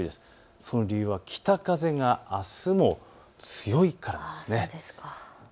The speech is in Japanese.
その理由は北風があすも強いからなんです。